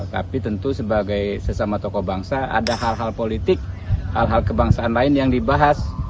tapi tentu sebagai sesama tokoh bangsa ada hal hal politik hal hal kebangsaan lain yang dibahas